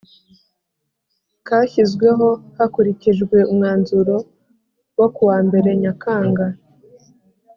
kashyizweho hakurikijwe umwanzuro wo ku wa mbere nyakanga